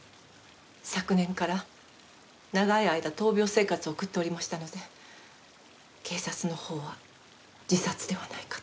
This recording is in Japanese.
昨年から長い間闘病生活を送っておりましたので警察のほうは自殺ではないかと。